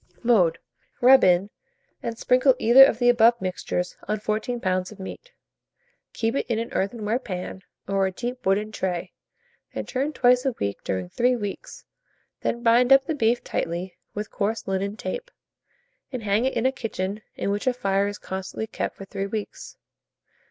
Mode. Rub in, and sprinkle either of the above mixtures on 14 lbs. of meat. Keep it in an earthenware pan, or a deep wooden tray, and turn twice a week during 3 weeks; then bind up the beef tightly with coarse linen tape, and hang it in a kitchen in which a fire is constantly kept, for 3 weeks.